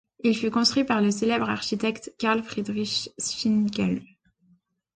Il fut construit par le célèbre architecte Karl Friedrich Schinkel.